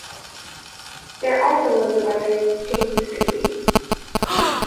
There also was a brother, James Baby.